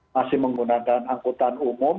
masih menggunakan angkutan umum